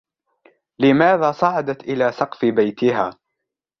لماذا صعدت إلى سقف بيتها ؟